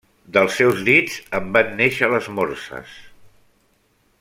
Dels seus dits en van néixer les morses.